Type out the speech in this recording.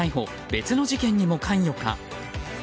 別の事件にも関与か。